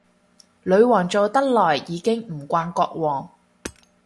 女皇做得耐，已經唔慣國王